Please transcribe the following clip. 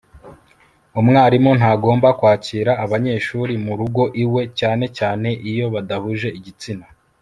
umwarimu ntagomba kwakira abanyeshuri mu rugo iwe cyane cyane iyo badahuje igitsina